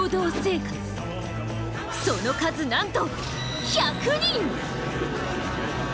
その数なんと１００人！